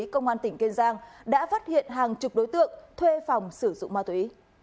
công an tỉnh kiên giang đã phát hiện hàng chục đối tượng thuê phòng sử dụng ma túy